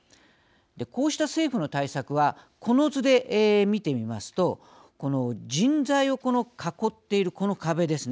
こうした政府の対策はこの図で見てみますとこの人材をこの囲っているこの壁ですね。